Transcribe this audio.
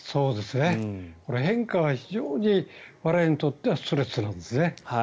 変化が非常に我々にとってはストレスなんですね。